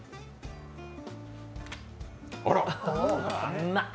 うまっ！